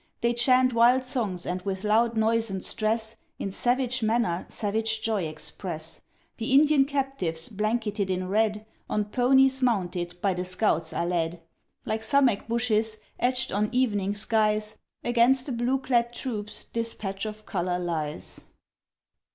They chant wild songs, and with loud noise and stress, In savage manner savage joy express. The Indian captives, blanketed in red, On ponies mounted, by the scouts are led. Like sumach bushes, etched on evening skies, Against the blue clad troops, this patch of color lies.